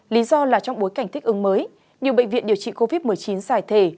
lý do là trong bối cảnh thích ứng mới nhiều bệnh viện điều trị covid một mươi chín giải thể